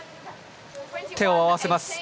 手を合わせます。